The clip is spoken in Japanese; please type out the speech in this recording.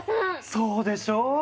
そうでしょう！